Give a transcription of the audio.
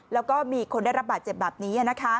แล้วก็มีคนได้รับบาดเจ็บแบบนี้